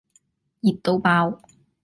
熱到爆